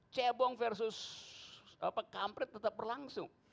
cebong versus kampret tetap berlangsung